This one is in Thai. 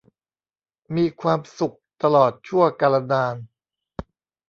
มีความสุขตลอดชั่วกาลนาน